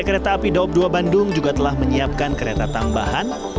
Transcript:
pt kereta api daobdoa bandung juga telah menyiapkan kereta tambahan